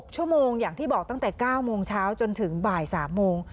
ชั่วโมงอย่างที่บอกตั้งแต่๙โมงเช้าจนถึงบ่าย๓โมง